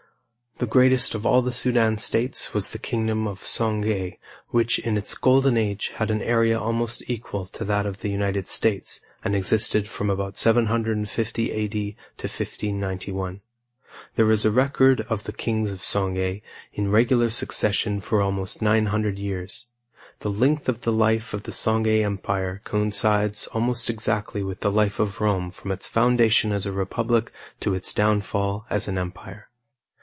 The greatest of all the Sudan states was the kingdom of Songhay which, in its golden age, had an area almost equal to that of the United States and existed from about 750 A.D. to 1591. There is a record of the kings of Songhay in regular succession for almost 900 years. The length of the life of the Songhay empire coincides almost exactly with the life of Rome from its foundation as a republic to its downfall as an empire.